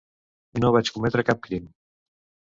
No vaig cometre cap crim.